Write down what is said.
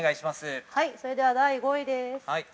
◆それでは第５位です。